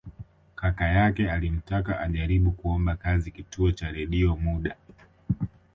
Kaka yake alimtaka ajaribu kuomba kazi Kituo cha Redio muda